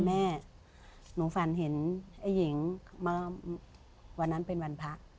แม่หนูฝันเห็นไอ้หญิงมาวันนั้นเป็นวันพระ